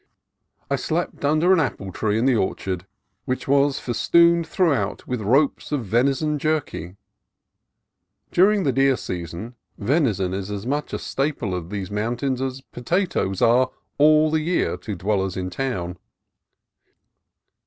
I slept under an apple tree in the orchard, which was festooned through out with ropes of venison "jerky." During the deer season, venison is as much a staple of these moun taineers as potatoes are all the year to dwellers in town.